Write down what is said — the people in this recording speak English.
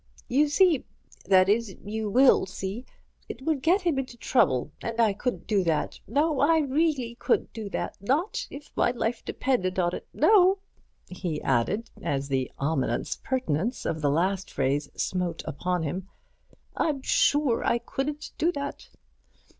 "You see—that is, you will see—it would get him into trouble, and I couldn't do that—no, I reelly couldn't do that, not if my life depended on it. No!" he added, as the ominous pertinence of the last phrase smote upon him, "I'm sure I couldn't do that."